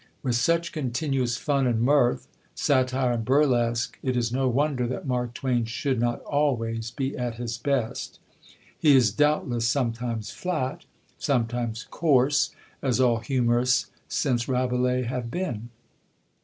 With such continuous fun and mirth, satire and burlesque, it is no wonder that Mark Twain should not always be at his best. He is doubtless sometimes flat, sometimes coarse, as all humorists since Rabelais have been.